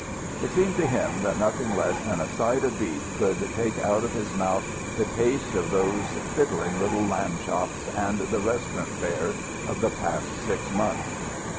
It seemed to him that nothing less than a side of beef could take out of his mouth the taste of those fiddling little lamb chops and the restaurant fare of the past six months.